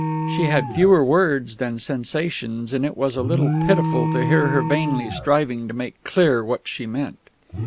She had fewer words than sensations, and it was a little pitiful to hear her vainly striving to make clear what she meant.